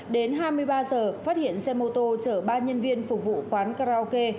đến hai mươi ba giờ phát hiện xe mô tô chở ba nhân viên phục vụ quán karaoke